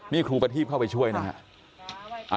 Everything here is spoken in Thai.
นี่ครูประทีบเข้าไปช่วยนะครับ